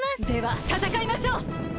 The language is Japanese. ではたたかいましょう！